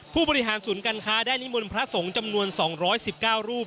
ผู้บริหารศูนย์การค้าได้นิมนต์พระสงฆ์จำนวน๒๑๙รูป